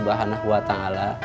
dalam hal yang berbeda